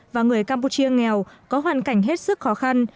và người campuchia nghèo có hoàn cảnh hết sức khó khăn